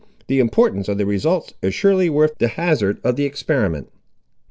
The importance of the results is surely worth the hazard of the experiment."